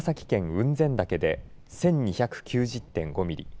雲仙岳で１２９０．５ミリ